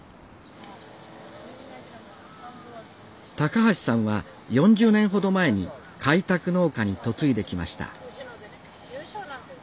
橋さんは４０年ほど前に開拓農家に嫁いできました